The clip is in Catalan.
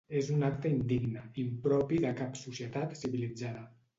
És un acte indigne, impropi de cap societat civilitzada.